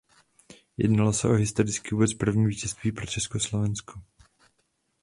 Jednalo se historicky o vůbec první vítězství pro Československo.